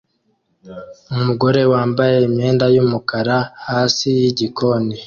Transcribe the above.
Umugore wambaye imyenda yumukara hasi yigikoni